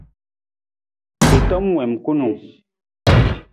I tom wiim kunung.